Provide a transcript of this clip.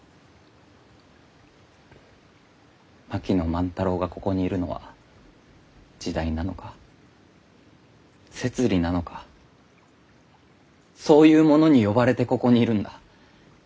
槙野万太郎がここにいるのは時代なのか摂理なのかそういうものに呼ばれてここにいるんだ。